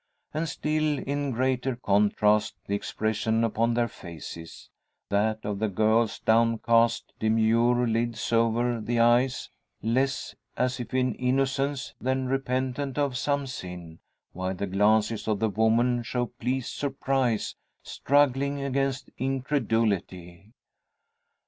And still in greater contrast, the expression upon their faces. That of the girl's downcast, demure, lids over the eyes less as if in innocence than repentant of some sin, while the glances of the woman show pleased surprise, struggling against incredulity!